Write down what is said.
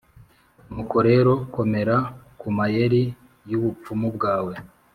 nuko rero komera ku mayeri y’ubupfumu bwawe